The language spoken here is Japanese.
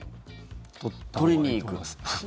取りに行く。